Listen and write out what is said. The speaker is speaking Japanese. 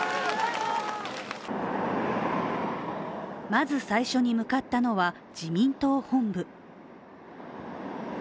まず最初に向かったのは、自民党本部。